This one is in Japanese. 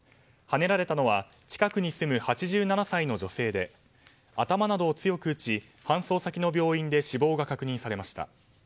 はねられたのは近くに住む８７歳の女性で頭などを強く打ち搬送先の病院で死亡が確認されました。